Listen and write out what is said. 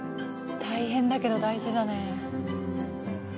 「大変だけど大事だね」